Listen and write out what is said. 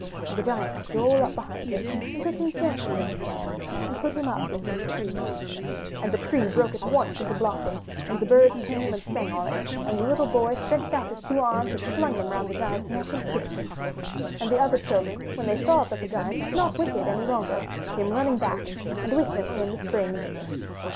And the Giant stole up behind him and took him gently in his hand, and put him up into the tree. And the tree broke at once into blossom, and the birds came and sang on it, and the little boy stretched out his two arms and flung them round the Giant's neck and kissed him. And the other children when they saw that the Giant was not wicked any longer, came running back, and with them came the Spring.